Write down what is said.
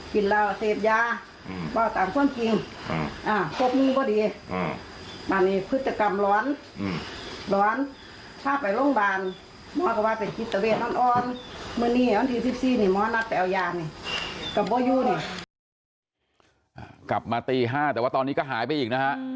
กลับมาตี๕แต่ว่าตอนนี้ก็หายไปอีกนะฮะ